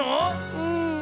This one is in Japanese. うん。